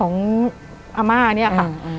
อาม่าเนี่ยค่ะ